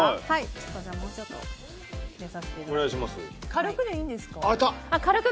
軽くでいいです。